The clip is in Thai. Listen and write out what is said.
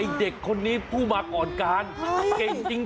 เด็กคนนี้ผู้มาก่อนการเก่งจริง